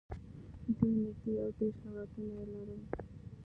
دوی نږدې یو دېرش لغاتونه یې لرل